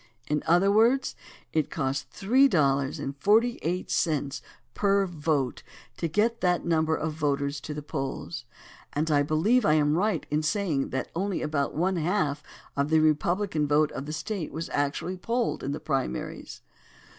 In other words, it cost $3.48 per vote to get that number of voters to the polls, and I believe that I am right in saying that only about one half of the Republican vote of the State was actually polled in the primaries.